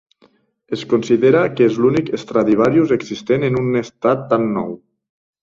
Es considera que és l'únic Stradivarius existent en un estat "tan nou".